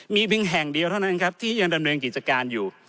มีเพียงแห่งเดียวเท่านั้นครับที่ยังดำเนินกิจการอยู่